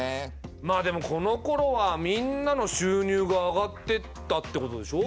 まあでもこのころはみんなの収入が上がってったってことでしょう。